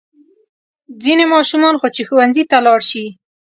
ځینې ماشومان خو چې ښوونځي ته لاړ شي.